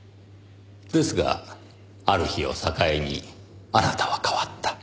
ですがある日を境にあなたは変わった。